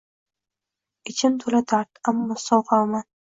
Ichim to‘la dard, ammo soqovman.